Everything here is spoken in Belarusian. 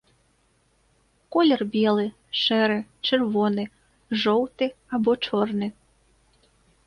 Колер белы, шэры, чырвоны, жоўты або чорны.